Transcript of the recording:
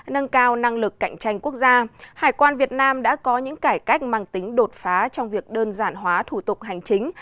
nâng cao năng lực cạnh tranh quốc gia hải quan việt nam đã có những cải cách mang tính đột phá trong việc đơn giản hóa thủ tục hành chính